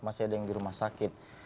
masih ada yang di rumah sakit